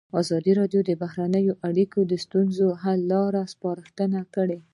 ازادي راډیو د بهرنۍ اړیکې د ستونزو حل لارې سپارښتنې کړي.